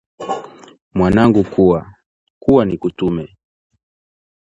Mwanangu kuwa, kuwa nikutume